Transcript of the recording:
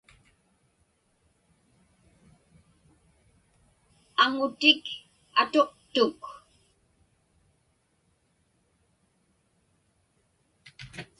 Aŋutik atuqtuk.